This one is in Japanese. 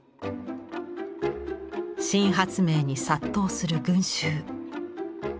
新発明に殺到する群衆。